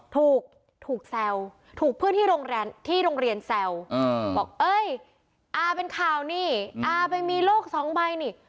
ถูกแซวถูกเพื่อนที่โรงเรียนแซวบอกเอ้ยอาเป็นข่าวนี่อาไปมีโรคสองใบนี่